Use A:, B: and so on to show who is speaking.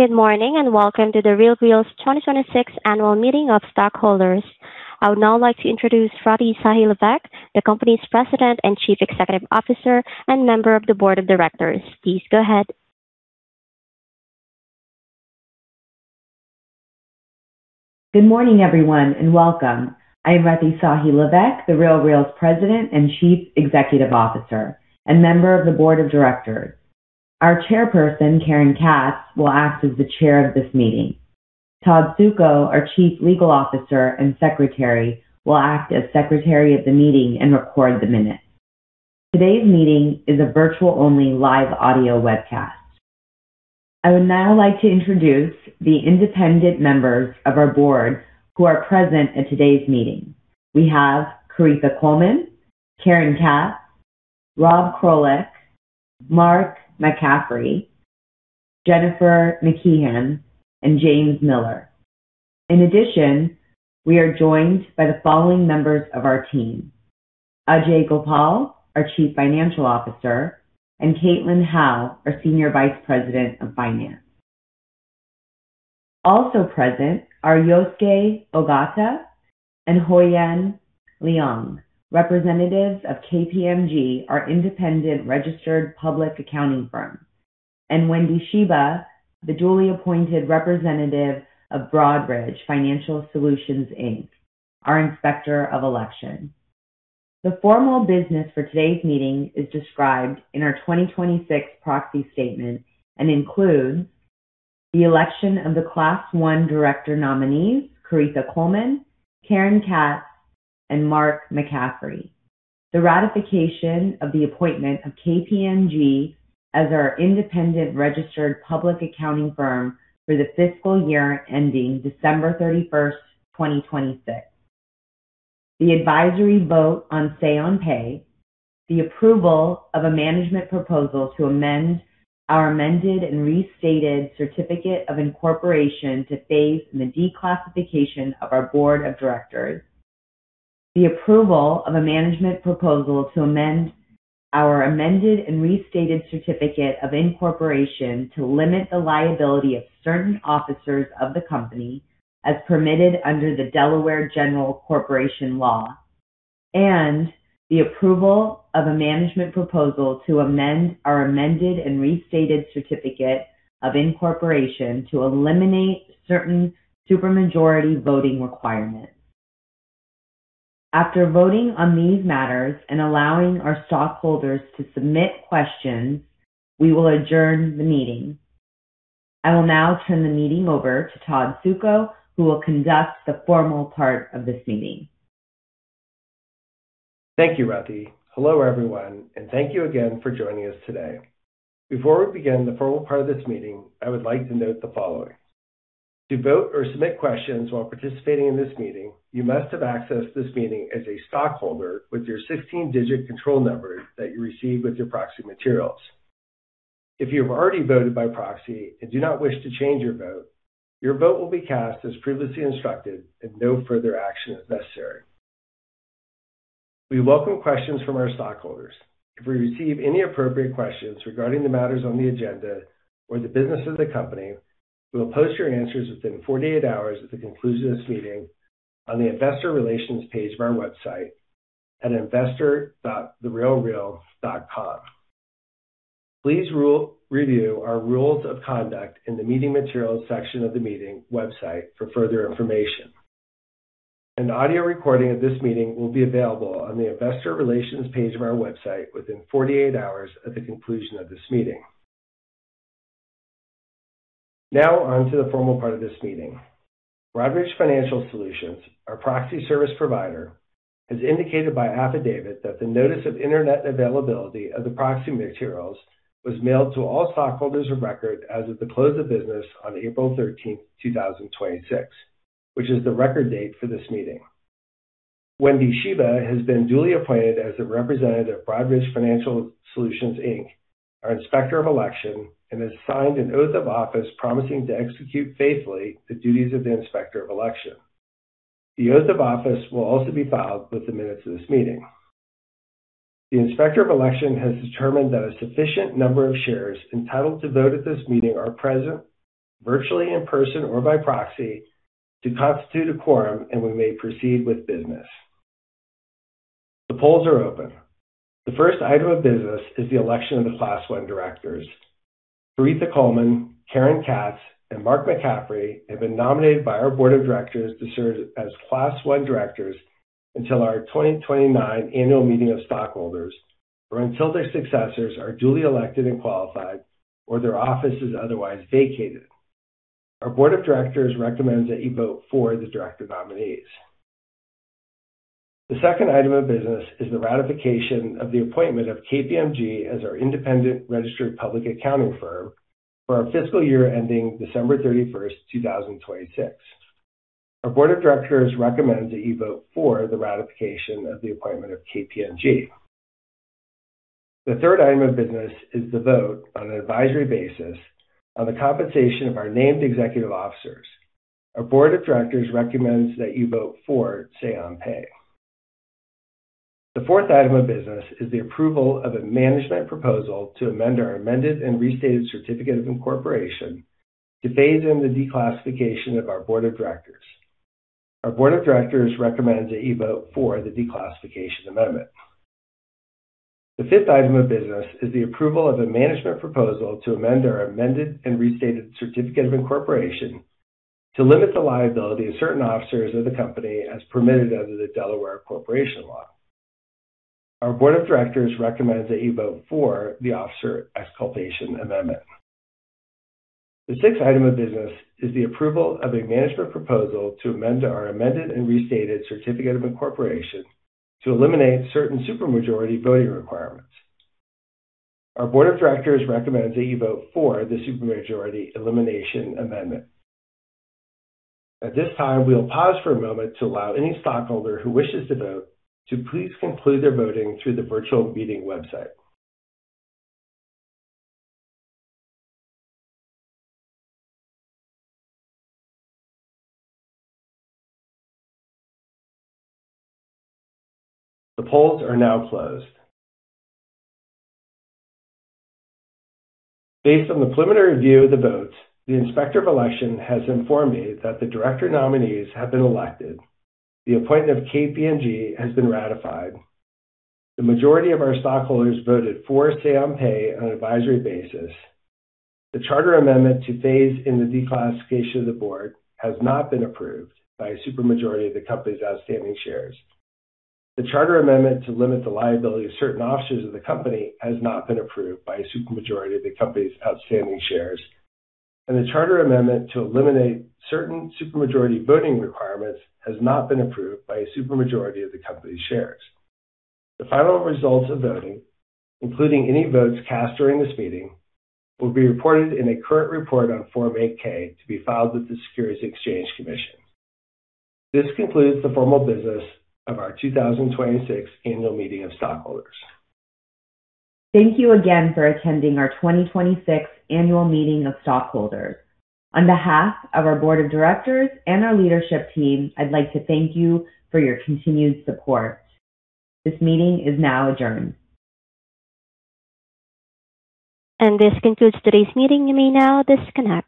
A: Good morning, welcome to The RealReal's 2026 Annual Meeting of Stockholders. I would now like to introduce Rati Sahi Levesque, the company's President and Chief Executive Officer and member of the Board of Directors. Please go ahead.
B: Good morning, everyone, welcome. I am Rati Sahi Levesque, The RealReal's President and Chief Executive Officer, and member of the Board of Directors. Our Chairperson, Karen Katz, will act as the chair of this meeting. Todd Suko, our Chief Legal Officer and Secretary, will act as Secretary of the meeting and record the minutes. Today's meeting is a virtual-only live audio webcast. I would now like to introduce the independent members of our Board who are present at today's meeting. We have Caretha Coleman, Karen Katz, Rob Krolik, Mark McCaffrey, Jennifer McKeehan, and James Miller. In addition, we are joined by the following members of our team: Ajay Gopal, our Chief Financial Officer, and Caitlin Howe, our Senior Vice President of Finance. Also present are Yosuke Ogata and Hoyan Leung, representatives of KPMG, our independent registered public accounting firm, and Wendy Shiba, the duly appointed representative of Broadridge Financial Solutions, Inc., our Inspector of Election. The formal business for today's meeting is described in our 2026 proxy statement and includes the election of the Class I director nominees, Caretha Coleman, Karen Katz, and Mark McCaffrey, the ratification of the appointment of KPMG as our independent registered public accounting firm for the fiscal year ending 31st December, 2026. The advisory vote on say on pay, the approval of a management proposal to amend our amended and restated certificate of incorporation to phase in the declassification of our Board of Directors, the approval of a management proposal to amend our amended and restated certificate of incorporation to limit the liability of certain officers of the company as permitted under the Delaware General Corporation Law, the approval of a management proposal to amend our amended and restated certificate of incorporation to eliminate certain supermajority voting requirements. After voting on these matters and allowing our stockholders to submit questions, we will adjourn the meeting. I will now turn the meeting over to Todd Suko, who will conduct the formal part of this meeting.
C: Thank you, Rati. Hello, everyone, and thank you again for joining us today. Before we begin the formal part of this meeting, I would like to note the following. To vote or submit questions while participating in this meeting, you must have accessed this meeting as a stockholder with your 16-digit control number that you received with your proxy materials. If you have already voted by proxy and do not wish to change your vote, your vote will be cast as previously instructed and no further action is necessary. We welcome questions from our stockholders. If we receive any appropriate questions regarding the matters on the agenda or the business of the company, we will post your answers within 48 hours of the conclusion of this meeting on the investor relations page of our website at investor.therealreal.com. Please review our rules of conduct in the meeting materials section of the meeting website for further information. An audio recording of this meeting will be available on the investor relations page of our website within 48 hours of the conclusion of this meeting. Now on to the formal part of this meeting. Broadridge Financial Solutions, our proxy service provider, has indicated by affidavit that the notice of internet availability of the proxy materials was mailed to all stockholders of record as of the close of business on 13 April, 2026, which is the record date for this meeting. Wendy Shiba has been duly appointed as a representative of Broadridge Financial Solutions, Inc., our Inspector of Election, and has signed an oath of office promising to execute faithfully the duties of the Inspector of Election. The oath of office will also be filed with the minutes of this meeting. The Inspector of Election has determined that a sufficient number of shares entitled to vote at this meeting are present virtually, in person, or by proxy to constitute a quorum and we may proceed with business. The polls are open. The first item of business is the election of the Class I directors. Caretha Coleman, Karen Katz, and Mark McCaffrey have been nominated by our Board of Directors to serve as Class I directors until our 2029 annual meeting of stockholders, or until their successors are duly elected and qualified or their office is otherwise vacated. Our Board of Directors recommends that you vote for the director nominees. The second item of business is the ratification of the appointment of KPMG as our independent registered public accounting firm for our fiscal year ending 31st December, 2026. Our Board of Directors recommends that you vote for the ratification of the appointment of KPMG. The third item of business is the vote on an advisory basis on the compensation of our named executive officers. Our Board of Directors recommends that you vote for say on pay. The fourth item of business is the approval of a management proposal to amend our amended and restated certificate of incorporation to phase in the declassification of our board of directors. Our board of directors recommends that you vote for the declassification amendment. The fifth item of business is the approval of a management proposal to amend our amended and restated certificate of incorporation to limit the liability of certain officers of the company as permitted under the Delaware Corporation Law. Our board of directors recommends that you vote for the officer exculpation amendment. The sixth item of business is the approval of a management proposal to amend our amended and restated certificate of incorporation to eliminate certain super majority voting requirements. Our board of directors recommends that you vote for the super majority elimination amendment. At this time, we will pause for a moment to allow any stockholder who wishes to vote to please conclude their voting through the virtual meeting website. The polls are now closed. Based on the preliminary review of the votes, the Inspector of Election has informed me that the director nominees have been elected. The appointment of KPMG has been ratified. The majority of our stockholders voted for say on pay on an advisory basis. The charter amendment to phase in the declassification of the board has not been approved by a super majority of the company's outstanding shares. The charter amendment to limit the liability of certain officers of the company has not been approved by a super majority of the company's outstanding shares. The charter amendment to eliminate certain super majority voting requirements has not been approved by a super majority of the company's shares. The final results of voting, including any votes cast during this meeting, will be reported in a current report on Form 8-K to be filed with the Securities and Exchange Commission. This concludes the formal business of our 2026 annual meeting of stockholders.
B: Thank you again for attending our 2026 annual meeting of stockholders. On behalf of our board of directors and our leadership team, I'd like to thank you for your continued support. This meeting is now adjourned.
A: This concludes today's meeting. You may now disconnect.